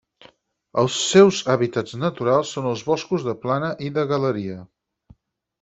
Els seus hàbitats naturals són els boscos de plana i de galeria.